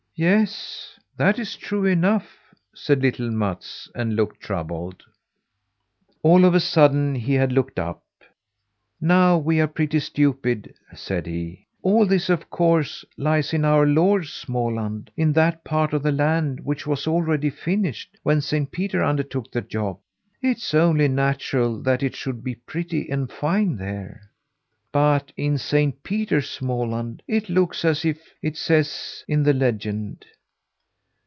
"Yes, that is true enough," said little Mats, and looked troubled. All of a sudden he had looked up. "Now we are pretty stupid," said he. "All this, of course, lies in our Lord's Småland, in that part of the land which was already finished when Saint Peter undertook the job. It's only natural that it should be pretty and fine there. But in Saint Peter's Småland it looks as it says in the legend.